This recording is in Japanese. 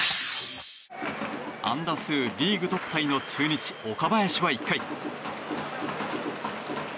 安打数リーグトップタイの中日、岡林は１回。